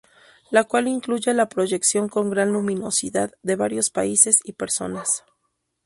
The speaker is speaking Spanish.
La cual incluye la proyección con gran luminosidad de varios países y personas.